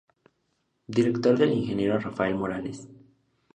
Director el Ing. Rafael Morales.